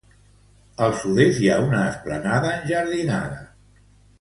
Al sud-est hi ha una esplanada enjardinada.